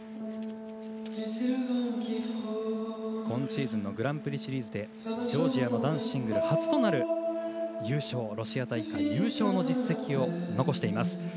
今シーズングランプリシリーズでジョージアの男子シングル初となるロシア大会優勝の実績を残しています